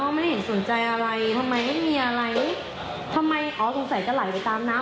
ไม่ได้เห็นสนใจอะไรทำไมไม่มีอะไรทำไมอ๋อสงสัยจะไหลไปตามน้ำ